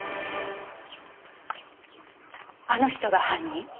あの人が犯人。